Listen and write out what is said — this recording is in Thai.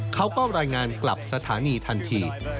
เขาก็รายงานกลับสถานีทันที